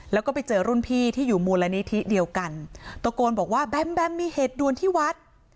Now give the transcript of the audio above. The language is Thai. แล้วก็ไปเจอรุ่นพี่ที่อยู่มูลนิธิเดียวกันตะโกนบอกว่าแบมแบมมีเหตุด่วนที่วัด